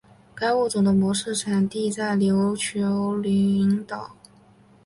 该物种的模式产地在琉球群岛。